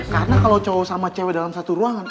karena kalau cowok sama cewek dalam satu ruangan